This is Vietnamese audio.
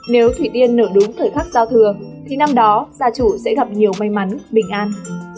nếu thủy tiên nở đúng thời khắc giao thừa thì năm đó gia chủ sẽ gặp nhiều may mắn bình an